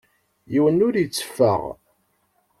Yiwen ur yetteffeɣ.